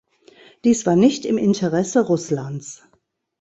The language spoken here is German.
Dies war nicht im Interesse Russlands.